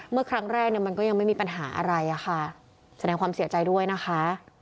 เมื่อครั้งแรกเนี่ยมันก็ยังไม่มีปัญหาอะไรอะค่ะแสดงความเสียใจด้วยนะคะ